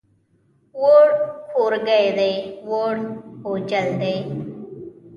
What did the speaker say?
ووړ کورګی دی، ووړ بوجل دی.